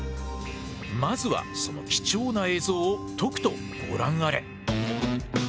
まずはその貴重な映像をとくとご覧あれ！